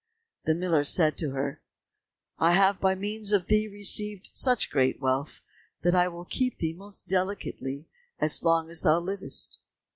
The miller said to her, "I have by means of thee received such great wealth that I will keep thee most delicately as long as thou livest."